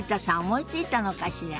思いついたのかしら。